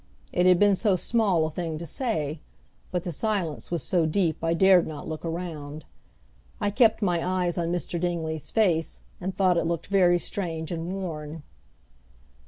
It had been so small a thing to say! But the silence was so deep I dared not look around. I kept my eyes on Mr. Dingley's face, and thought it looked very strange and worn.